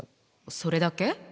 それだけ？